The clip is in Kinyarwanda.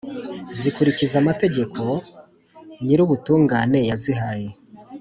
Zikurikiza amategeko Nyir’ubutungane yazihaye,